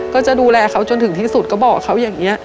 ก็จะดูแลเขาจนถึงที่สุดก็บอกเขาอย่างนี้